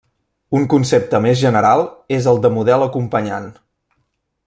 Un concepte més general és el de model acompanyant.